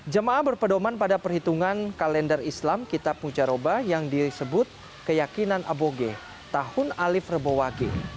jemaah berpedoman pada perhitungan kalender islam kitab mujaroba yang disebut keyakinan aboge tahun alif rebowage